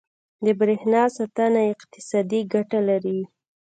• د برېښنا ساتنه اقتصادي ګټه لري.